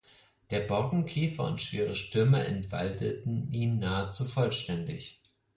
Der Borkenkäfer und schwere Stürme entwaldeten ihn nahezu vollständig.